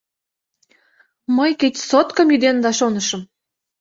— Мый, кеч соткым ӱденда, шонышым...